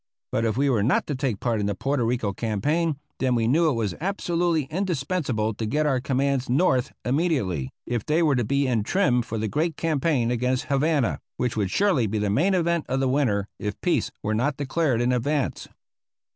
But if we were not to take part in the Porto Rico campaign, then we knew it was absolutely indispensable to get our commands north immediately, if they were to be in trim for the great campaign against Havana, which would surely be the main event of the winter if peace were not declared in advance.